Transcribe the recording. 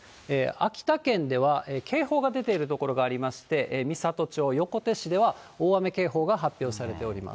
秋田県では、警報が出ている所がありまして、みさと町、横手市では大雨警報が発表されています。